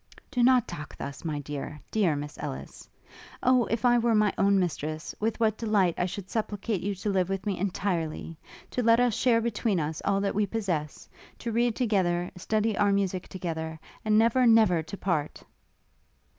'Do not talk thus, my dear, dear Miss Ellis! Oh! if I were my own mistress with what delight I should supplicate you to live with me entirely! to let us share between us all that we possess; to read together, study our musick together, and never, never to part!'